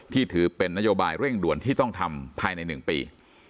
ถือเป็นนโยบายเร่งด่วนที่ต้องทำภายใน๑ปี